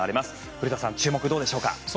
古田さん、注目どうでしょうか。